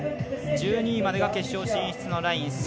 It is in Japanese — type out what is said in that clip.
１２位までが決勝進出のライン。